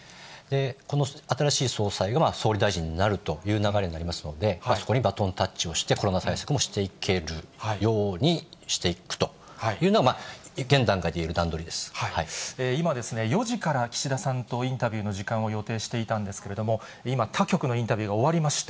この新しい総裁が総理大臣になるという流れになりますので、そこにバトンタッチをして、コロナ対策もしていけるようにしていくというのが、現段階で言え今、４時から岸田さんとインタビューの時間を予定していたんですけれども、今、他局のインタビューが終わりました。